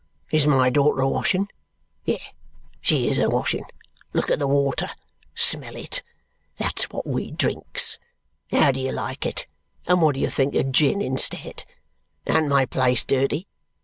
Is my daughter a washin? Yes, she IS a washin. Look at the water. Smell it! That's wot we drinks. How do you like it, and what do you think of gin instead! An't my place dirty?